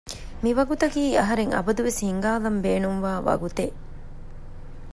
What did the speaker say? މިވަގުތަކީ އަހަރެން އަބަދުވެސް ހިނގާލަން ބޭނުންވާ ވަގުތެއް